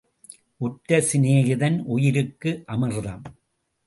உற்ற சிநேகிதன் உயிருக்கு அமிர்தம்.